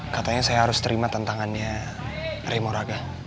katanya saya harus terima tantangannya raymo raga